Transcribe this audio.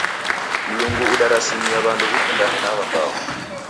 Mlungu udarasimia w'andu w'ikundane na w'ambao.